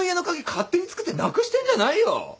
勝手に作ってなくしてんじゃないよ！